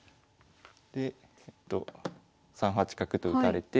で３八角と打たれて。